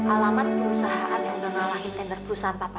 alamat perusahaan yang menyalahi tender perusahaan papa